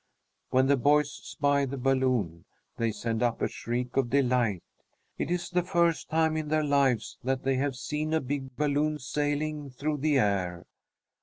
When the boys spy the balloon, they send up a shriek of delight. It is the first time in their lives that they have seen a big balloon sailing through the air.